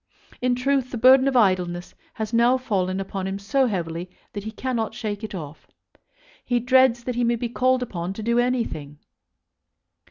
In truth the burden of idleness has now fallen upon him so heavily that he cannot shake it off. He dreads that he may be called upon to do anything.